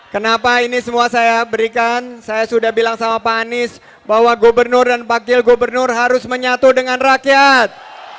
kenapa ini semua saya berikan saya sudah bilang sama pak anies bahwa gubernur dan wakil gubernur harus menyatu dengan rakyat